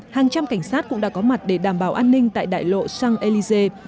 hàng trăm cảnh sát cũng đã có mặt để đảm bảo an ninh tại đại lộ sun élysée